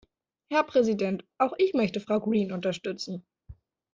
Herr Präsident, auch ich möchte Frau Green unterstützen.